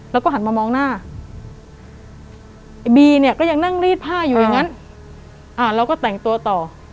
แล้วก็หันมามองหน้าไอ้บีเนี่ยก็ยังนั่งรีดผ้าอยู่อย่างนั้นเราก็แต่งตัวต่อ